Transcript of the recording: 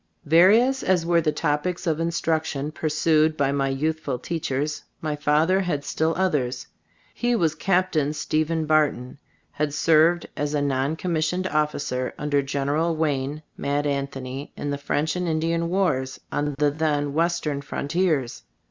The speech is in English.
Various as were the topics of in struction pursued by my youthful teachers, my father had still others. He was "Captain" Stephen Barton, had served as a non commissioned of ficer, under General Wayne (Mad An thony) in the French and Indian Wars on the then Western frontiers.